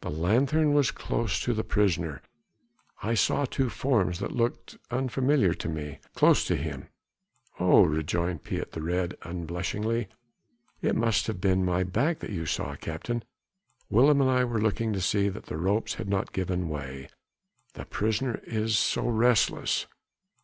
The lanthorn was close to the prisoner; I saw two forms that looked unfamiliar to me close to him." "Oh!" rejoined Piet the Red unblushingly, "it must have been my back that you saw, captain. Willem and I were looking to see that the ropes had not given way. The prisoner is so restless...."